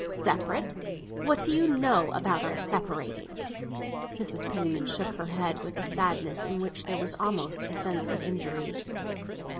"Separate? What do you know about our separating?" Mrs. Penniman shook her head with a sadness in which there was almost a sense of injury.